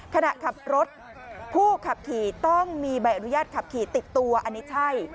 ขณะขับรถผู้ขับขี่ต้องมีใบอนุญาตขับขี่ติดตัวอันนี้ใช่